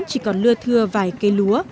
chỉ còn lưa thưa vài cây lúa